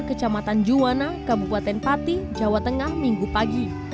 kecamatan juwana kabupaten pati jawa tengah minggu pagi